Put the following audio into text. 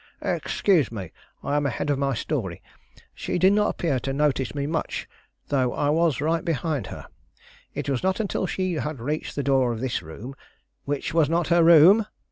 "Excuse me; I am ahead of my story. She did not appear to notice me much, though I was right behind her. It was not until she had reached the door of this room which was not her room!"